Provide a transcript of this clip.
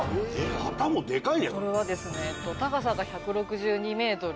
旗もでかい！